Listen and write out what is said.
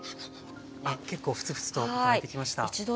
あっ結構フツフツと沸いてきました。